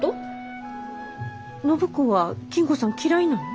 暢子は金吾さん嫌いなの？